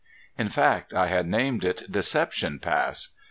In fact I had named it Deception Pass.